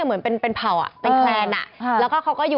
มึงทำอย่างงี้สิมันไม่ดีของเราเสีย